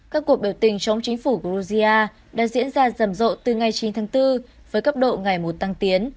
các cuộc biểu tình chống chính phủ georgia đã diễn ra rầm rộ từ ngày chín tháng bốn với cấp độ ngày một tăng tiến